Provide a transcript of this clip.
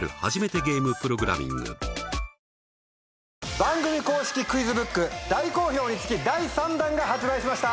番組公式クイズブック大好評につき第３弾が発売しました。